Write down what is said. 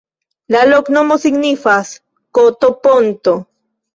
La loknomo signifas: koto-ponto.